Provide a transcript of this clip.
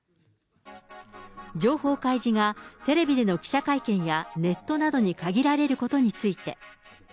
情報開示がテレビでの記者会見や、ネットなどに限られることについて。